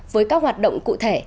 với các hoạt động cụ thể